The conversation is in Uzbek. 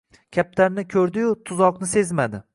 Kaptarni koʻrdi-yu, tuzoqni sezmadi